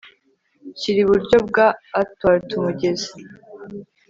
Shyira iburyo bwa athwart umugezi